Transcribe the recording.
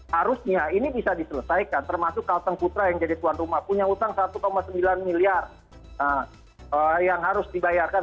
harusnya ini bisa diselesaikan termasuk kalteng putra yang jadi tuan rumah punya utang satu sembilan miliar yang harus dibayarkan